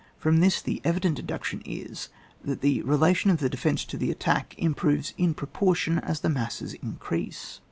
From this the evident deduction is, that the relation of the defence to the attack improves in proportion as the masses increase.